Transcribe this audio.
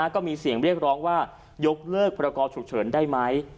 ก็มีเสียงเรียกร้องว่ายกเลิกพรกรฉุกเฉินได้ไหม